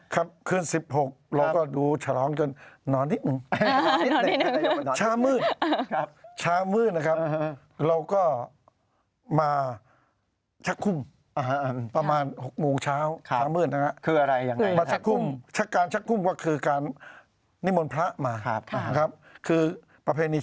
ครับคืน๑๖เราก็ดูฉล้องจนหนอนนิดหนึ่ง